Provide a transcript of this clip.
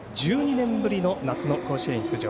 １２年ぶりの夏の甲子園出場。